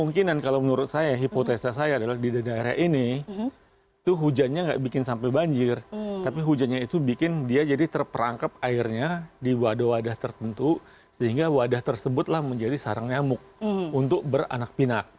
di daerah daerah ini itu hujannya nggak bikin sampai banjir tapi hujannya itu bikin dia jadi terperangkap airnya di wadah wadah tertentu sehingga wadah tersebutlah menjadi sarang nyamuk untuk beranak pinak